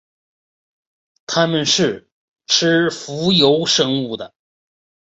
它们是吃浮游生物的。